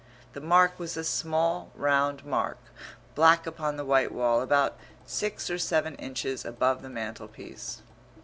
The mark was a small round mark, black upon the white wall, about six or seven inches above the mantelpiece.